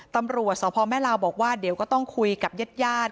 ตำรวจสภแม่ราวบอกว่าเดี๋ยวก็ต้องคุยกับเย็ด